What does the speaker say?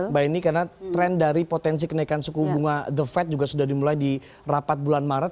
mbak eni karena tren dari potensi kenaikan suku bunga the fed juga sudah dimulai di rapat bulan maret